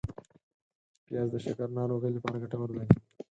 پیاز د شکر ناروغۍ لپاره ګټور دی